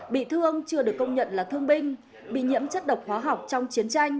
bị thương chưa được công nhận là thương binh bị nhiễm chất độc hóa học trong chiến tranh